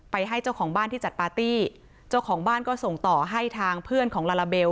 ให้เจ้าของบ้านที่จัดปาร์ตี้เจ้าของบ้านก็ส่งต่อให้ทางเพื่อนของลาลาเบล